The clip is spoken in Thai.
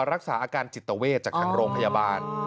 รักษาอาการจิตเวทจากทางโรงพยาบาล